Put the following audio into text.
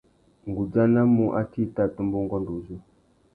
Nʼgudjanamú atê i tà tumba ungôndô uzu.